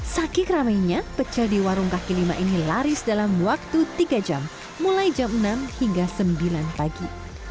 sakit ramainya pecel di warung kaki lima ini laris dalam waktu tiga jam mulai jam enam hingga sembilan pagi